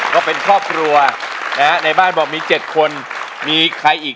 ก็เป็นครอบครัวนะฮะในบ้านบอกมี๗คนมีใครอีก